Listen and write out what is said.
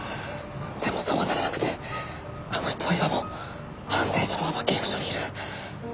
でもそうはならなくてあの人は今も犯罪者のまま刑務所にいる。